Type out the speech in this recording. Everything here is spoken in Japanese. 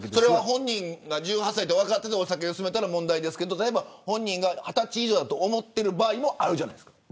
本人が１８歳と分かっていて勧めたなら問題ですが本人が２０歳以上だと思っている場合もあるじゃないですか。